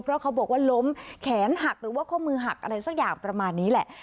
เพราะเขาบอกว่าล้มแขนหักหรือว่าข้อมือหักอะไรสักอย่างประมาณนี้แหละ